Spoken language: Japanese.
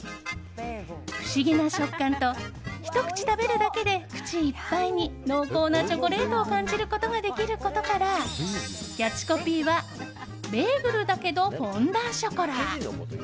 不思議な食感とひと口食べるだけで口いっぱいに濃厚なチョコレートを感じることができることからキャッチコピーは「べーぐるだけど、フォンダンショコラ」。